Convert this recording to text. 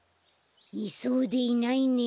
いそうでいないね。